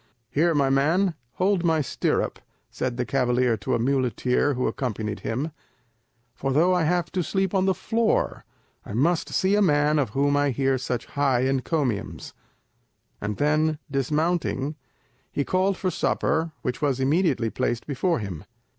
"Here, my man, hold my stirrup," said the cavalier to a muleteer who accompanied him; "for though I have to sleep on the floor, I must see a man of whom I hear such high encomiums;" and then dismounting he called for supper, which was immediately placed before him.